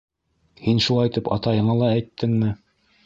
- Һин шулай тип атайыңа ла әйттеңме?